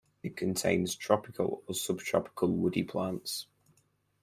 It contains tropical or subtropical woody plants.